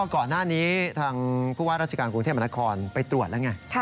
ก่อนหน้านี้ทางพรัฐกาลกรุงเทพมนครไปตรวจแล้วไง